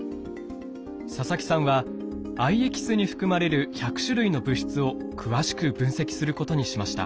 佐々木さんは藍エキスに含まれる１００種類の物質を詳しく分析することにしました。